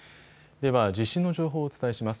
では地震の情報をお伝えします。